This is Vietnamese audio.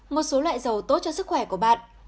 một số loại dầu tốt cho sức khỏe của bạn